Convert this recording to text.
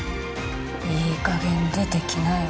いいかげん出てきなよ